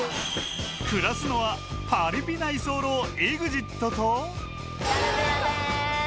暮らすのはパリピな居候、ＥＸＩＴと。